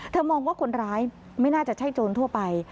มองว่าคนร้ายไม่น่าจะใช่โจรทั่วไป